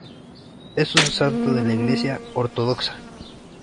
Es un santo de la Iglesia Ortodoxa.